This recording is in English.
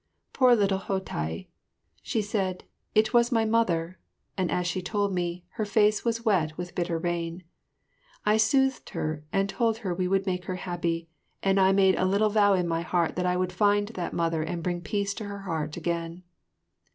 Poor little Ho tai! She said, "It was my mother!" and as she told me, he face was wet with bitter rain. I soothed her and told her we would make her happy, and I made a little vow in my heart that I would find that mother and bring peace to her heart again.